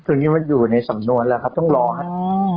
คือนี่มันอยู่ในสำนวนแล้วครับต้องรอครับ